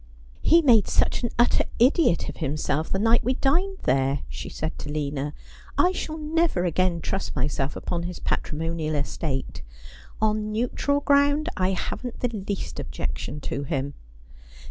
' He made such an utter idiot of himself the night we dined there,' she said to Lina. ' I shall never again trust myself upon his patrimonial estate. On neutral ground I haven't the least objection to him.'